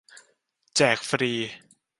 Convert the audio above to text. แจก ฟรี !